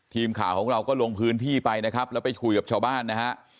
ทีมข่าวของเราก็ลงพื้นที่ไปนะครับแล้วไปคุยกับชาวบ้านนะฮะ